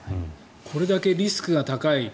これだけリスクが高い。